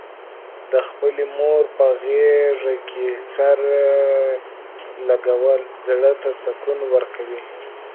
د خپلې مور په غېږه کې سر لږول، زړه ته سکون ورکوي.